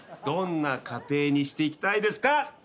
どんな家庭にしていきたいですか？